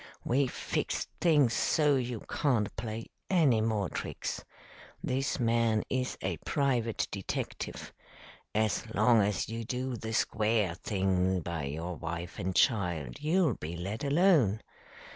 We've fixed things so you can't play any more tricks. This man is a private detective. As long as you do the square thing by your wife and child, you'll be let alone.